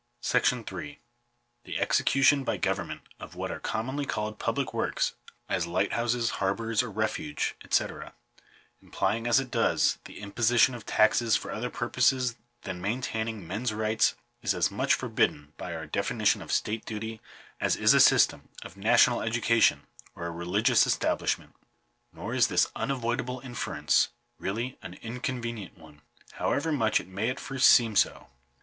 §8 The execution by government of what are commonly called public works, as lighthouses, harbours of refuge, &c, imply ing, as it does, the imposition of taxes for other purposes than Digitized by VjOOQIC 406 CURRENCY, POSTAL ARRANGEMENTS, ETC. maintaining men's rights, is as much forbidden by our defini tion of state duty as is a system of national education, or a religious establishment. Nor is this unavoidable inference really an inconvenient one ; however much it may at first seem so.